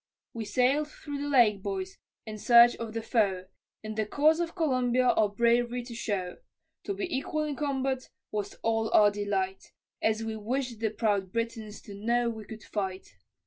We sailed through the lake, boys, in search of the foe, In the cause of Columbia our brav'ry to show, To be equal in combat was all our delight, As we wished the proud Britons to know we could fight.